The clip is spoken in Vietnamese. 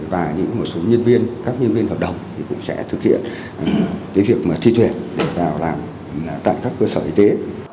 và những một số nhân viên các nhân viên hợp đồng cũng sẽ thực hiện việc thi tuyển để vào làm tại các cơ sở y tế